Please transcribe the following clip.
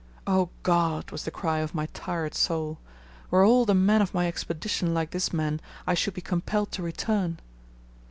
"Oh! God," was the cry of my tired soul, "were all the men of my Expedition like this man I should be compelled to return."